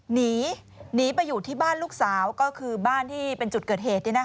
หนีหนีไปอยู่ที่บ้านลูกสาวก็คือบ้านที่เป็นจุดเกิดเหตุ